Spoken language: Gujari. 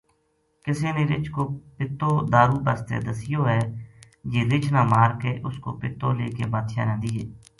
کسے نے رچھ کو پِتو دارو بسطے دسیو ہے جی رچھ نا مار کے اُس کو پِتو لے کے بادشاہ نا دیے